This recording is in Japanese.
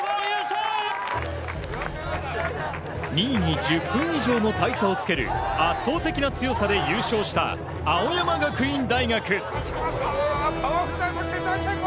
２位に１０分以上の大差をつける圧倒的な強さで優勝した青山学院大学。